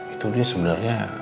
itu dia sebenarnya